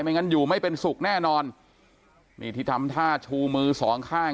งั้นอยู่ไม่เป็นสุขแน่นอนนี่ที่ทำท่าชูมือสองข้าง